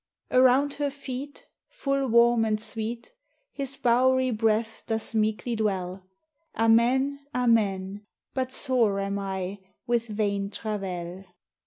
Around her feet Full Warine and Sweete His bowerie Breath doth meeklie dwell; Amen, Amen: But sore am I with Vaine Travel